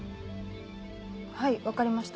はい分かりました